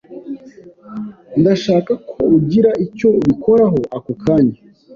Ndashaka ko ugira icyo ubikoraho ako kanya.